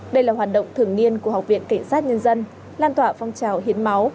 đây là hoạt động thưởng niên của học viện cảnh sát nhân dân lan tỏa phong trào hiến máu